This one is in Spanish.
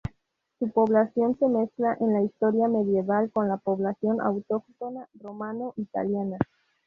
Su población se mezcla en la historia medieval con la población autóctona romano-italiana.